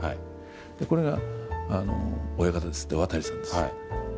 これが親方です、渡さんですって。